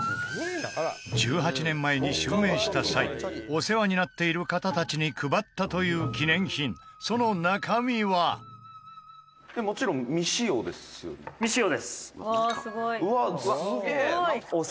１８年前に襲名した際お世話になっている方たちに配ったという記念品その中身は綾菜：